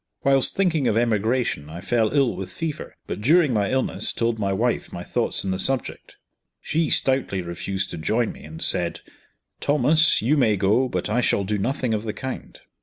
Whilst thinking of emigration I fell ill with fever; but during my illness told my wife my thoughts on the subject. She stoutly refused to join me, and said, "Thomas, you may go; but I shall do nothing of the kind."